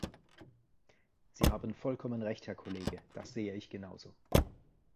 Sie haben vollkommen Recht, Herr Kollege, das sehe ich genauso.